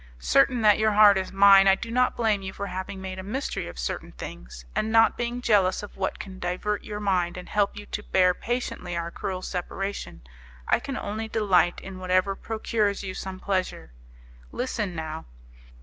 Certain that your heart is mine, I do not blame you for having made a mystery of certain things, and not being jealous of what can divert your mind and help you to bear patiently our cruel separation, I can only delight in whatever procures you some pleasure. Listen now.